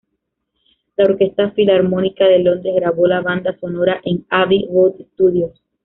La Orquesta Filarmónica de Londres grabó la banda sonora en Abbey Road Studios.